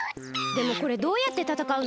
でもこれどうやってたたかうの？